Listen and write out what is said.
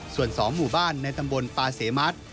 ส่วน๒หมู่บ้านในตำบลปาเสมัติ